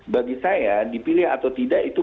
bagi saya dipilih atau tidak itu